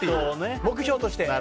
目標として。